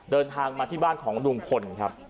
เดินทางมาที่บ้านของลุงพลครับ